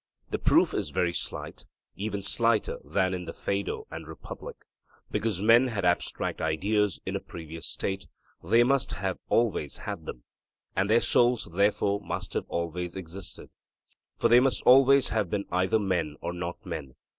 The proof is very slight, even slighter than in the Phaedo and Republic. Because men had abstract ideas in a previous state, they must have always had them, and their souls therefore must have always existed. For they must always have been either men or not men.